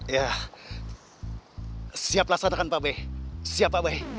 ya siap lah sadarkan pak be siap pak be